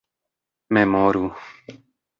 memoru